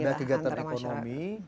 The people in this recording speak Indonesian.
ada kegiatan ekonomi